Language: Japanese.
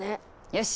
よし！